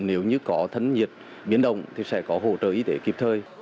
nếu như có thân nhiệt biến động thì sẽ có hỗ trợ y tế kịp thời